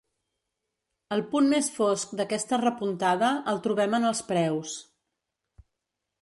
El punt més fosc d’aquesta repuntada el trobem en els preus.